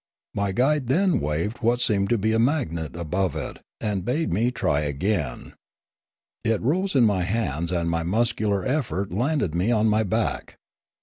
My guide then waved what seemed to be a magnet above it, and bade me try again ; it rose in my hands and my muscular effort landed me on my back.